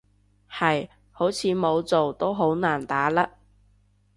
係，好似冇做都好難打甩